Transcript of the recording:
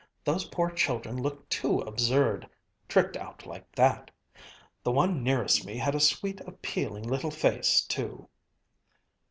Those poor children look too absurd, tricked out like that. The one nearest me had a sweet, appealing little face, too."